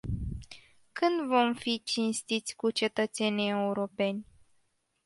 Când vom fi cinstiți cu cetățenii europeni?